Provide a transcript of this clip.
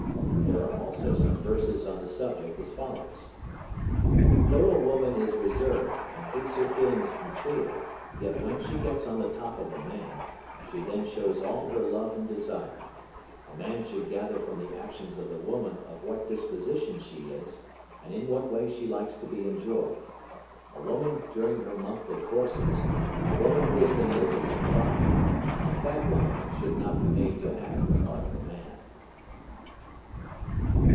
There are also some verses on the subject as follows: "Though a woman is reserved, and keeps her feelings concealed, yet when she gets on the top of a man, she then shows all her love and desire. A man should gather from the actions of the woman of what disposition she is, and in what way she likes to be enjoyed. A woman during her monthly courses, a woman who has been lately confined, and a fat woman should not be made to act the part of a man."